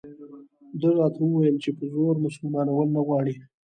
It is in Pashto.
ده راته وویل چې په زور مسلمانول نه غواړي.